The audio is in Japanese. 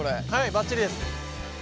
ばっちりです。